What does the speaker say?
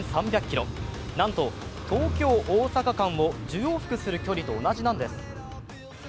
なんと東京−大阪間を１０往復する距離と同じなんです。